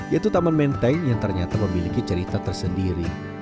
yaitu taman menteng yang ternyata memiliki cerita tersendiri